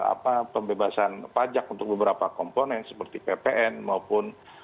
apa pembebasan pajak untuk beberapa komponen seperti ppn maupun